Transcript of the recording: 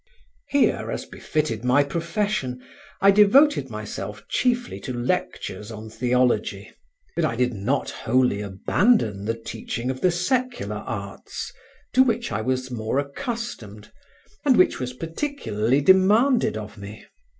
Here, as befitted my profession, I devoted myself chiefly to lectures on theology, but I did not wholly abandon the teaching of the secular arts, to which I was more accustomed, and which was particularly demanded of me.